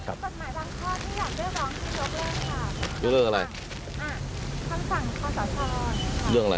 สัตว์ภาพบางข้อที่อยากเลือกบางอย่างก็ได้ยกเลิกนะครับ